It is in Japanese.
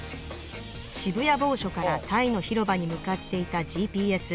渋谷某所からタイの広場に向かっていたＧＰＳ